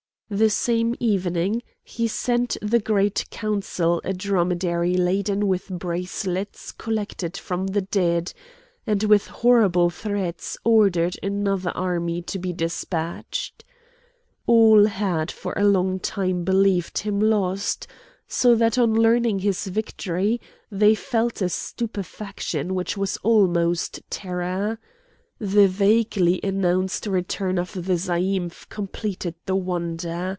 The same evening he sent the Great Council a dromedary laden with bracelets collected from the dead, and with horrible threats ordered another army to be despatched. All had for a long time believed him lost; so that on learning his victory they felt a stupefaction which was almost terror. The vaguely announced return of the zaïmph completed the wonder.